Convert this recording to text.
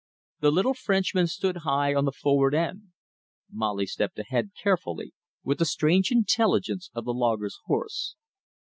The little Frenchman stood high on the forward end. Molly stepped ahead carefully, with the strange intelligence of the logger's horse.